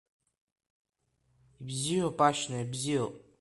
Ибзиоуп, Ашьна, ибзиоуп.